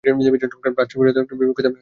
ভ্রাতৃত্ব বিরোধিতায় ও বিমুখতায় পরিণত হল।